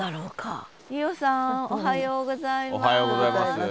伊豫さんおはようございます。